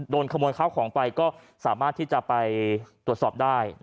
โดนขโมยข้าวของไปก็สามารถที่จะไปตรวจสอบได้